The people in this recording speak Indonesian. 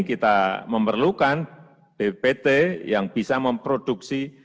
kita memerlukan bpt yang bisa memproduksi